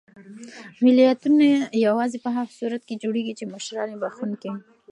ملتونه یوازې په هغه صورت کې جوړېږي چې مشران یې بښونکي وي.